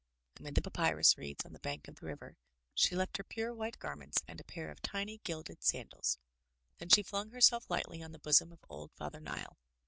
Amid the papyrus reeds on the bank of the river she left her pure white garments and a pair of tiny gilded sandals. Then she flung herself lightly on the bosom of old Father Nile.